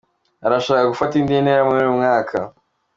Arashaka gufata indi ntera muri uyu mwaka.